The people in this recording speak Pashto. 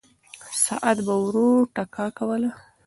ساعت به ورو ټکا کوله.